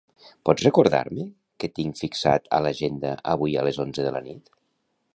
Pots recordar-me què tinc fixat a l'agenda avui a les onze de la nit?